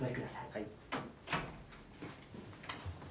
はい。